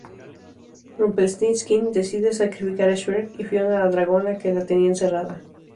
Rumpelstiltskin decide sacrificar a Shrek y Fiona a Dragona, que la tenía encerrada.